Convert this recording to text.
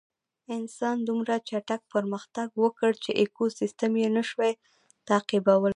انسان دومره چټک پرمختګ وکړ چې ایکوسېسټم یې نهشوی تعقیبولی.